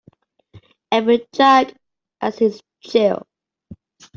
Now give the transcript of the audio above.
Every Jack has his Jill.